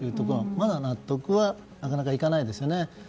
納得がなかなかいかないですよね。